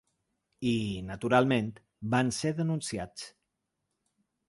I, naturalment, van ser denunciats.